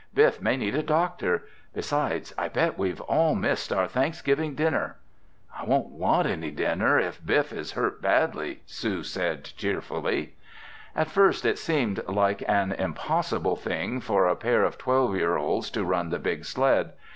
"Biff may need a doctor! Besides, I bet we've all missed our Thanksgiving dinner!" "I won't want any dinner if Biff is hurt badly!" Sue said tearfully. At first it seemed like an impossible thing for a pair of twelve year olds to run the big sled.